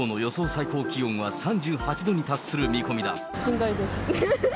最高気温は３８度に達する見込みだ。